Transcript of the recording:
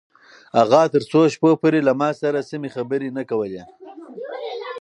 اغا تر څو شپو پورې له ما سره سمې خبرې نه کولې.